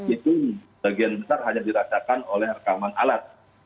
itu bagian besar hanya dirasakan oleh rekaman alat